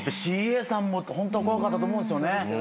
ＣＡさんもホントは怖かったと思うんすよね。